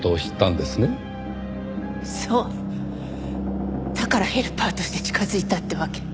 だからヘルパーとして近づいたってわけ。